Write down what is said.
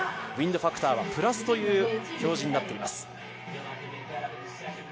ウインドファクターはプラスという表示になっています。